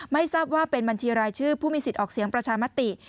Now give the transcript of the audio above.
ไม่ทราบว่าเป็นบัญชีรายชื่อผู้มีสิทธิ์ออกเสียงประชามติ